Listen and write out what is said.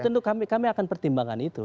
ya tentu tentu kami akan pertimbangkan itu